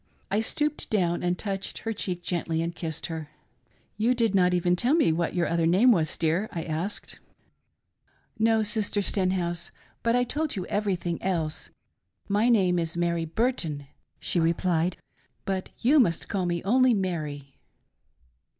I stooped down and touched her cheek gently, and kissed her. " You did not even tell me what your other name was, dear ?" I asked. " No, Sister Sterihouse ; but I told you everything else. My name is Mary Bttrton" she replied, " hnt you must call me only Mary."